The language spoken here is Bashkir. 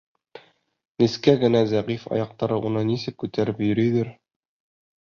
Нескә генә зәғиф аяҡтары уны нисек күтәреп йөрөйҙөр.